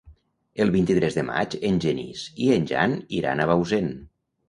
El vint-i-tres de maig en Genís i en Jan iran a Bausen.